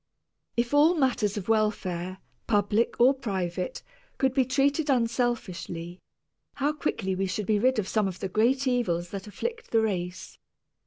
If all matters of welfare, public or private, could be treated unselfishly, how quickly we should be rid of some of the great evils that afflict the race.